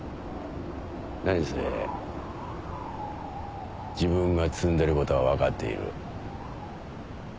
何せ自分が詰んでることは分かっている。